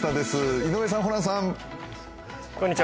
井上さん、ホランさん。